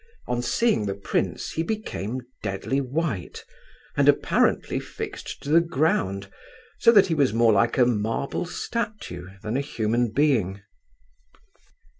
On seeing the prince he became deadly white, and apparently fixed to the ground, so that he was more like a marble statue than a human being.